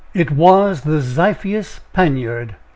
It was the xyphias poniard.